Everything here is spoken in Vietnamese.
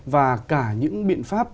và cả những biện pháp